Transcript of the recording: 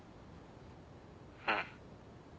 うん。